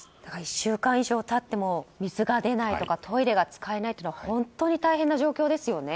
１週間以上経っても水が出ないとかトイレが使えないというのは本当に大変な状況ですよね。